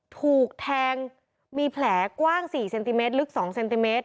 ถูกแทงมีแผลกว้าง๔เซนติเมตรลึก๒เซนติเมตร